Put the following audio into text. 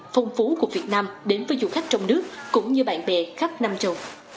phong phú của việt nam đến với du khách trong nước cũng như bạn bè khắp nam châu